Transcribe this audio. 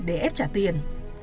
để ép trả tiền